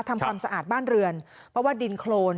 ทำความสะอาดบ้านเรือนเพราะว่าดินโครน